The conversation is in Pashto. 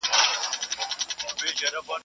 خپل وطن خپل یې څښتن سو خپل یې کور سو.